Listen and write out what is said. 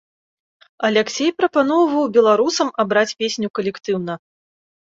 Аляксей прапаноўваў беларусам абраць песню калектыўна.